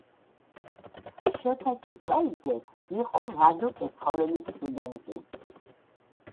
შოთა ჩიკვაიძე იყო ლადო კეცხოველის სტუდენტი.